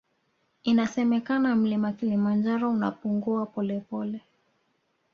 Inasemekana mlima kilimanjaro unapungua polepole